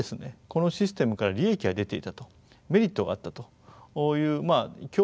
このシステムから利益が出ていたとメリットがあったという共